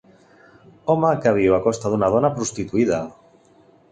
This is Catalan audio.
Home que viu a costa d'una dona prostituïda.